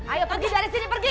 ayo pergi dari sini pergi